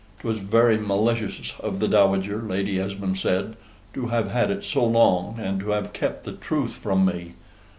"'Twas very malicious of the Dowager," Lady Esmond said, "to have had it so long, and to have kept the truth from me."